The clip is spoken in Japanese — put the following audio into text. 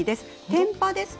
天パですか？